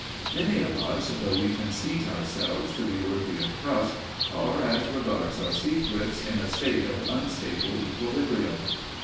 Many of us, though we conceit ourselves to be worthy of trust, are, as regards our secrets, in a state of unstable equilibrium.